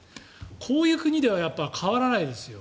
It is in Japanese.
こういう国では変わらないですよ。